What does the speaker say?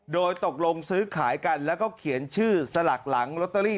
โดยตกลงซื้อขายกันแล้วก็เขียนชื่อสลักหลังลอตเตอรี่